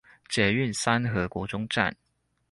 捷運三和國中站